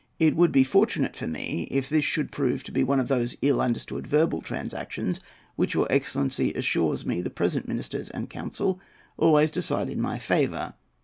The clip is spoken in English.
It will be fortunate for me if this should prove to be one of those "ill understood verbal transactions" which your excellency assures me the present ministers and council always decide in my favour.